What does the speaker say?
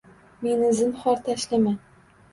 Meni zinhor tashlama.